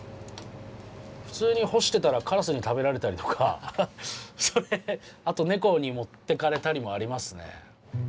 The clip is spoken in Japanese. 普通に干してたらカラスに食べられたりとかネコに持ってかれたりもありますね。